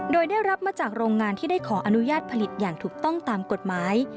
โดยได้รับมาจากโรงงานที่ได้ขออนุญาตผลิตอย่างถูกต้องตามกฎหมาย